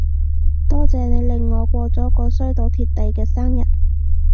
多謝你令我過咗個衰到貼地嘅生日